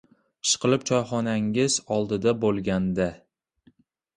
— Ishqilib, choyxonangiz oldida bo‘lgan-da.